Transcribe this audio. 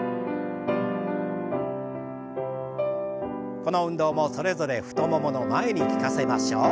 この運動もそれぞれ太ももの前に効かせましょう。